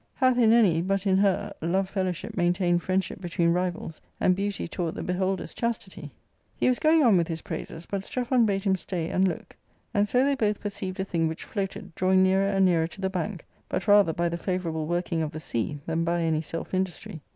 Hath in any, but in her, love fellowship maintained friendship between rivals and beauty taught the beholders chastity ?""^ He was going on with his praises, but Strephon bade him stay and look, and so they both perceived a thing which floated, drawing nearer and nearer to the bank, but rather by the favourable working of the sea than by any self industry.